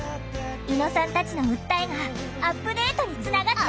猪野さんたちの訴えがアップデートにつながった！